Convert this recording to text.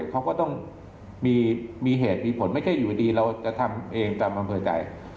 เขาก็ต้องมีเหตุมีผลไม่ใช่อยู่ดีเราจะทำเองตามอำเภอใจ